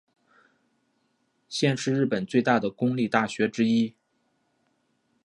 现是日本最大的公立大学之一。